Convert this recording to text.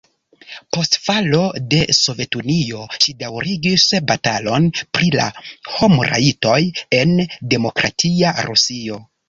Post falo de Sovetunio ŝi daŭrigis batalon pri la homrajtoj en demokratia Rusio.